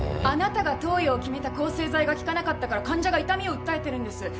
あなたが投与を決めた抗生剤が効かなかったから患者が痛みを訴えてるんです。